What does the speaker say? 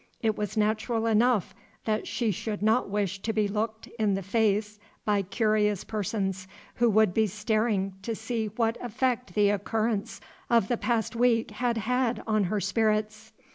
It was natural enough that she should not wish to be looked in the face by curious persons who would be staring to see what effect the occurrence of the past week had had on her spirits.